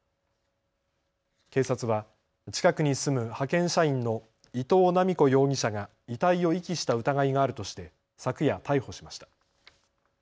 警察は近くに住む派遣社員の伊藤七美子容疑者が遺体を遺棄した疑いがあるとして昨夜、逮捕しました。